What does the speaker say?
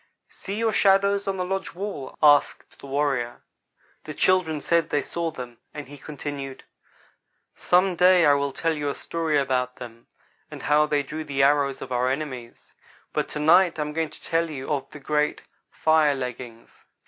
"See your shadows on the lodge wall?" asked the old warrior. The children said they saw them, and he continued: "Some day I will tell you a story about them, and how they drew the arrows of our enemies, but to night I am going to tell you of the great fire leggings.